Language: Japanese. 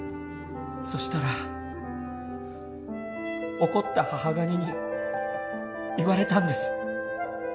そしたら怒った母ガニに言われたんです。